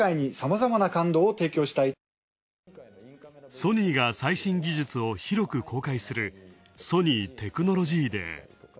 ソニーが最新技術を広く公開するソニー・テクノロジー・デー。